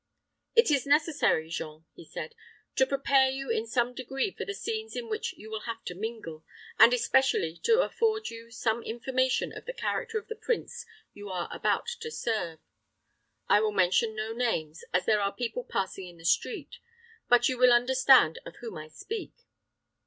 "It is necessary, Jean," he said, "to prepare you in some degree for the scenes in which you will have to mingle, and especially to afford you some information of the character of the prince you are about to serve. I will mention no names, as there are people passing in the street; but you will understand of whom I speak.